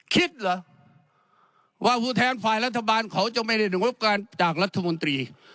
คิดเหรอว่าผู้แทนฝ่ายรัฐบาลเขาจะไม่ได้ดูงบการจากรัฐมนตรี